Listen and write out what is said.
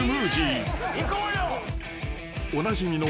［おなじみの］